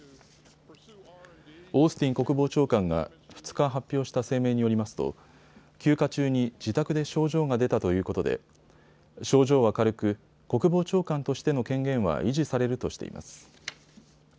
オースティン国防長官が２日、発表した声明によりますと休暇中に自宅で症状が出たということで症状は軽く国防長官としての権限は維持されるとしています。